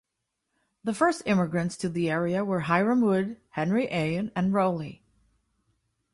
The first immigrants to the area were Hiram Wood, Henry Ayen, and Rowley.